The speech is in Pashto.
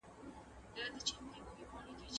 انسانان نسي کولای چي یوازې ژوند وکړي.